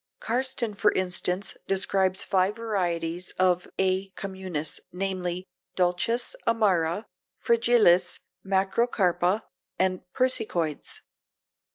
Karsten, for instance, describes five varieties of A. communis, namely, dulcis, amara, fragilis, macrocarpa and persicoides.